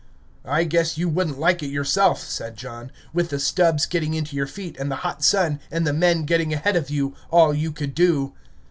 "I guess you would n't like it yourself," said John, "with the stubbs getting into your feet, and the hot sun, and the men getting ahead of you, all you could do."